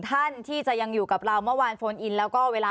ไม่ให้ส่วนตัว